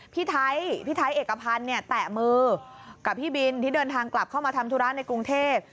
พี่ไทยเอกพันธ์เนี่ยแตะมือกับพี่บินที่เดินทางกลับเข้ามาทำธุระในกรุงเทพ